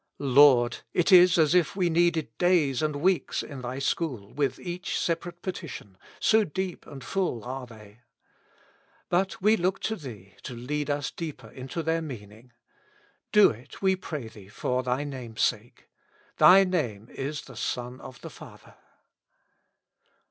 Lord ! it is as if we needed days and weeks in Thy school with each separate petition, so deep and full are they. But we look to Thee to lead us deeper into their meaning ; do it, we pray Thee, for Thy name's sake ; Thy name is Son of the Father.